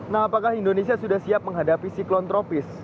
nah apakah indonesia sudah siap menghadapi siklon tropis